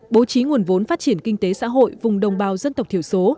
bố trí nguồn vốn phát triển kinh tế xã hội vùng đồng bào dân tộc thiểu số